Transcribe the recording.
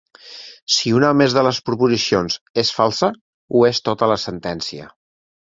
Si una o més de les proposicions és falsa, ho és tota la sentència.